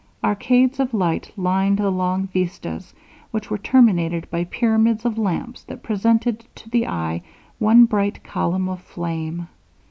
Arcades of light lined the long vistas, which were terminated by pyramids of lamps that presented to the eye one bright column of flame.